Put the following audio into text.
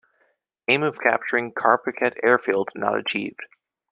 Aim of capturing Carpiquet airfield not achieved.